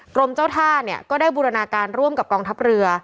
กรมเจ้าท่าเนี่ยก็ได้บูรณาการร่วมกับกองทัพเรือ